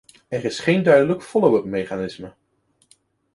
Er is geen duidelijk follow-up-mechanisme.